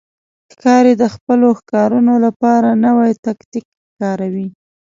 ښکاري د خپلو ښکارونو لپاره نوی تاکتیک کاروي.